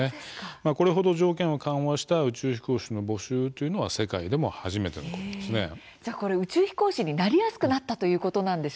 これほど条件を緩和した宇宙飛行士の募集というのは世界でも初めてのことです。